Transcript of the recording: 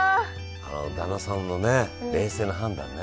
あの旦那さんのね冷静な判断ね。